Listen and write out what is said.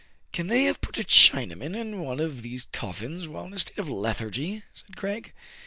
" Can they have put a Chinaman in one of these coffins while in a state of lethargy "— said Craig.